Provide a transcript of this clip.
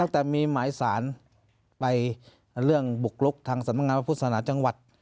แต่มีหมายสารไปเรื่องบุกลุกทางสำนักงานพระพุทธศาสนาจังหวัด